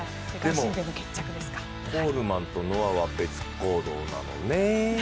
でもコールマンとノアは別行動なのね。